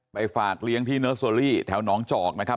ไปฝากเลี้ยงที่เนอร์โซอรี่แถวน้องเจาะมั้ยครับ